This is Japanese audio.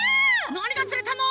なにがつれたの？